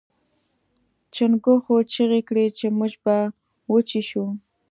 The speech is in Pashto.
چنګښو چیغې کړې چې موږ به وچې شو.